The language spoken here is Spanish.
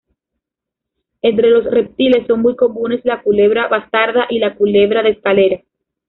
Entre los reptiles son muy comunes la culebra bastarda y la culebra de escalera.